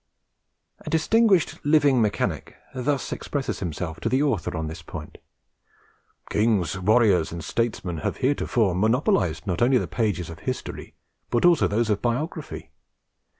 A distinguished living mechanic thus expresses himself to the Author on this point: "Kings, warriors, and statesmen have heretofore monopolized not only the pages of history, but almost those of biography.